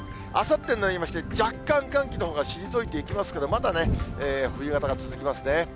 あさってになりまして、若干寒気のほうが退いていきますけど、まだね、冬型が続きますね。